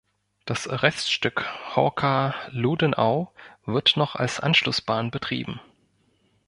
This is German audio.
Das Reststück Horka–Lodenau wird noch als Anschlussbahn betrieben.